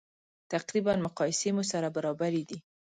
تقریبا مقایسې مو سره برابرې دي.